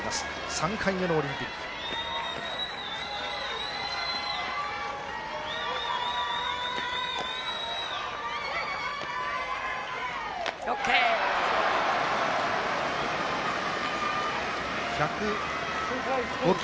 ３回目のオリンピック。ＯＫ！